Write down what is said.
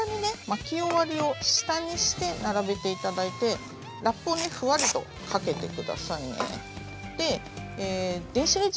巻き終わりを下にして並べて頂いてラップをふわりとかけて下さいね。